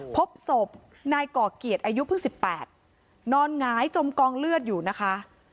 พบศพนายก่อเกียรติอายุเพิ่ง๑๘นอนหงายจมกองเลือดอยู่นะคะ